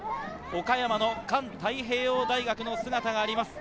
岡山の環太平洋大学の姿があります。